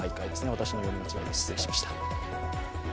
私の読み間違いです失礼しました。